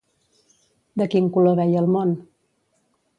De quin color veia el món?